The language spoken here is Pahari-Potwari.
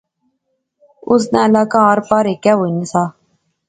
اس ناں علاقہ آر پار ہیکے ہونا سا